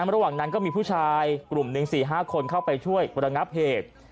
ระหว่างนั้นก็มีผู้ชายกลุ่มหนึ่ง๔๕คนเข้าไปช่วยประงับเหตุ